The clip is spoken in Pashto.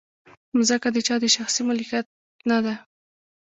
مځکه د چا د شخصي ملکیت نه ده.